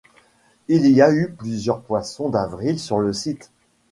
Il y a eu plusieurs poissons d'avril sur le site.